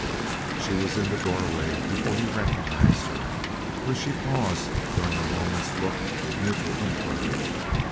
She was in the doorway before he recognized her; where she paused during a moment's look of mutual inquiry.